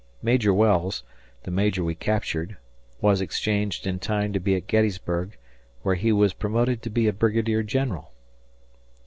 Major Wells, the major we captured, was exchanged in time to be at Gettysburg where he was promoted to be a brigadier general.